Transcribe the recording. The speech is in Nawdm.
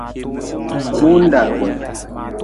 Mundalugun.